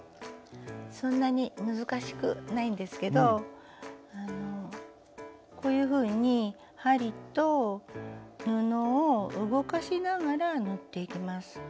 そんなに難しくないんですけどこういうふうに針と布を動かしながら縫っていきます。